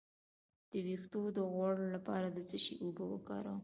د ویښتو د غوړ لپاره د څه شي اوبه وکاروم؟